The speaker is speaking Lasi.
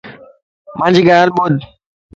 مانجي ڳالھ ٻُڌ